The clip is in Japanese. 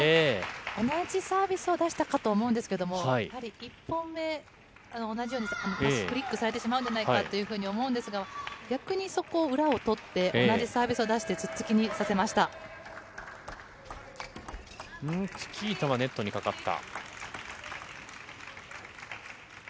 同じサービスを出したかと思うんですけど、やはり、一本目、同じようにフリックされてしまうのではないかというふうに思うんですが、逆にそこを裏を取って、同じサービスを出してツッツキにチキータはネットにかかった。